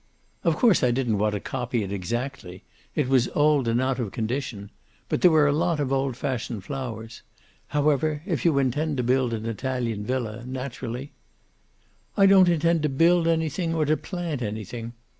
"Of course I didn't want to copy it exactly. It was old and out of condition. But there were a lot of old fashioned flowers However, if you intend to build an Italian villa, naturally " "I don't intend to build anything, or to plant anything."